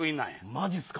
マジっすか。